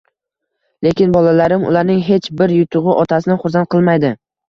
Lekin bolalarim… Ularning hech bir yutug`i otasini xursand qilmaydi